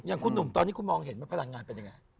อย่างคุณหนุ่มตอนนี้คุณมองเห็นไหมพลังงานเป็นยังไง